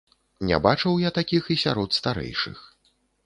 Не бачыў я такіх і сярод старэйшых.